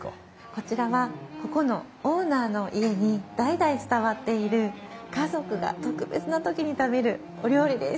こちらはここのオーナーの家に代々伝わっている家族が特別な時に食べるお料理です。